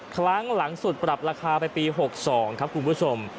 ครั้งหลังสุดปรับราคาไปปี๖๒ครับคุณผู้ชม